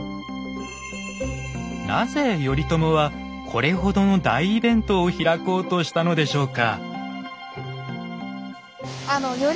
なぜ頼朝はこれほどの大イベントを開こうとしたのでしょうか。